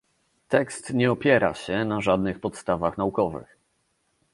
Tekst nie opiera się na żadnych podstawach naukowych